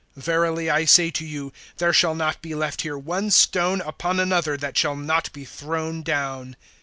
Verily I say to you, there shall not be left here one stone upon another, that shall not be thrown down.